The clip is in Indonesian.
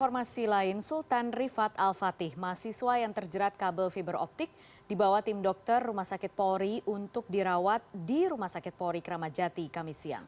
informasi lain sultan rifat al fatih mahasiswa yang terjerat kabel fiber optik dibawa tim dokter rumah sakit pori untuk dirawat di rumah sakit pori kramat jati kami siang